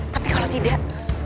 tapi kalau tidak